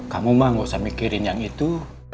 kamu mah gak usah mikirin yang itu